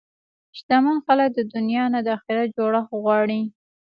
شتمن خلک د دنیا نه د اخرت جوړښت غواړي.